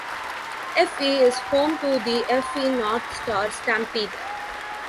Effie is home to The Effie North Star Stampede.